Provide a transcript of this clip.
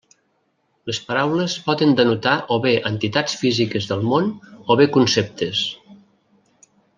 Les paraules poden denotar o bé entitats físiques del món o bé conceptes.